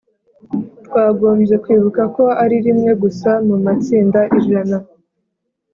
twagombye kwibuka ko ari rimwe gusa mu ‘matsinda ijana’